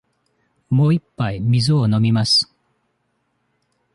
もう一杯水を飲みます。